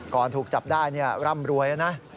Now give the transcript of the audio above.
ก่อนถูกจับได้เนี่ยร่ำรวยนะ